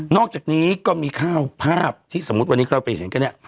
อกจากนี้ก็มีข้าวภาพที่สมมุติวันนี้เราไปเห็นกันเนี่ย